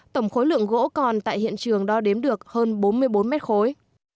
tổng khối lượng gỗ còn tại hiện trường đo đếm được hơn bốn mươi bốn mét khối